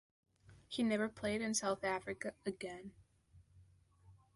He never played in South Africa again.